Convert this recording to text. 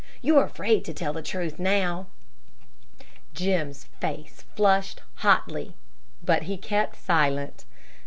You're afraid to tell the truth now." Jim's face flushed hotly, but he kept silent.